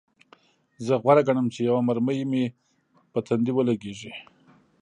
زه غوره ګڼم چې یوه مرمۍ مې په ټنډه ولګیږي